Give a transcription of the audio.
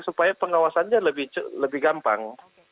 supaya pengawasannya lebih gampang